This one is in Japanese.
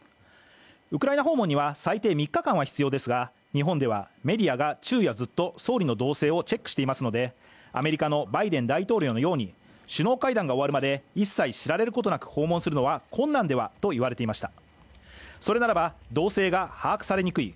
ウクライナ訪問には最低３日間が必要ですが日本ではメディアが昼夜ずっと総理の動静をチェックしていますのでアメリカのバイデン大統領のように首脳会談が終わるまで一切知られることなく訪問するのは困難ではと言われていました。